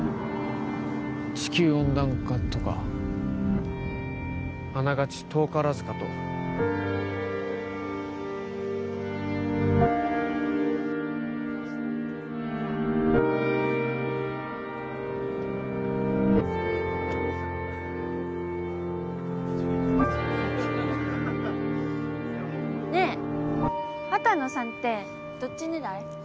・地球温暖化とかあながち遠からずかとねえ畑野さんってどっち狙い？